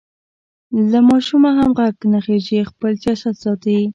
له ماشومه هم غږ نه خېژي؛ خپل سیاست ساتي.